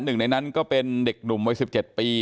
หนึ่งในนั้นก็เป็นเด็กหนุ่มวัย๑๗ปี